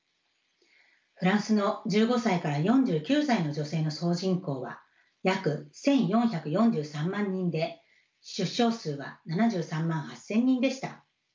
フランスの１５歳から４９歳の女性の総人口は約１，４４３万人で出生数は７３万８，０００人でした。